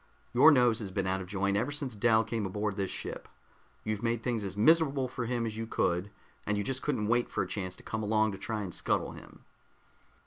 "Your nose has been out of joint ever since Dal came aboard this ship. You've made things as miserable for him as you could, and you just couldn't wait for a chance to come along to try to scuttle him."